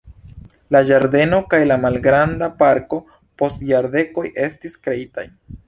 La ĝardeno kaj la malgranda parko post jardekoj estis kreitaj.